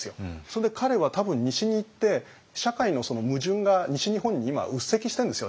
それで彼は多分西に行って社会の矛盾が西日本に今うっせきしてるんですよね。